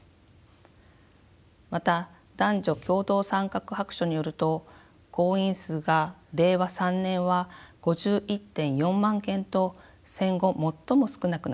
また「男女共同参画白書」によると婚姻数が令和３年は５１．４万件と戦後最も少なくなっています。